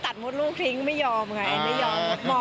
ตัดมดลูกทิ้งไม่ยอมไง